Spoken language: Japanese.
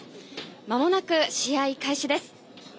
まもなく試合開始です。